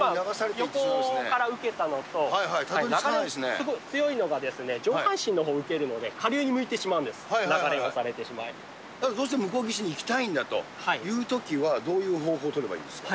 横から受けたのと、強いのが上半身のほうに受けるので、下流に向いてしまうんです、だからどうしても向こう岸に行きたいんだというときは、どういう方法を取ればいいんですか。